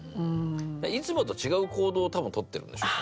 いつもと違う行動を多分とってるんでしょうね。